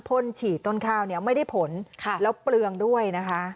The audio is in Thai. ่นฉีดต้นข้าวเนี่ยไม่ได้ผลแล้วเปลืองด้วยนะคะ